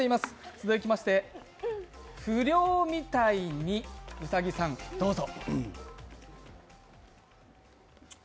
続きまして、不良みたいに、兎さんどうぞ。